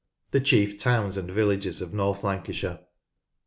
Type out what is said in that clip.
THE CHIEF TOWNS AND VILLAGES OF NORTH LANCASHIRE.